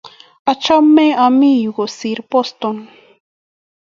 achame amii yu kosir Boston.